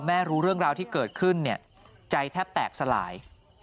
พอแม่รู้เรื่องราวที่เกิดขึ้นใจแทบแตกสลาย